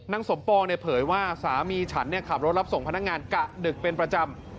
สมปองเนี่ยเผยว่าสามีฉันขับรถรับส่งพนักงานกะดึกเป็นประจำ